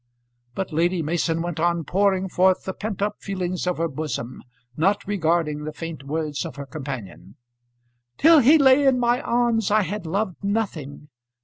But Lady Mason went on pouring forth the pent up feelings of her bosom, not regarding the faint words of her companion. "Till he lay in my arms I had loved nothing.